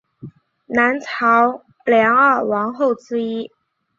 南朝梁二王后之一。